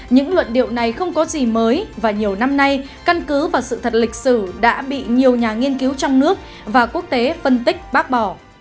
những luận điệu này không có gì mới và nhiều năm nay căn cứ và sự thật lịch sử đã bị nhiều nhà nghiên cứu trong nước và quốc tế phân tích bác bỏ